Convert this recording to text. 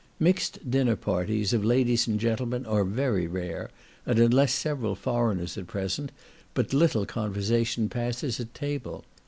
Mixed dinner parties of ladies and gentlemen are very rare, and unless several foreigners are present, but little conversation passes at table.